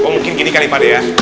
mungkin gini kali pak d ya